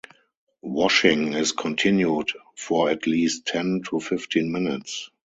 Washing is continued for at least ten to fifteen minutes.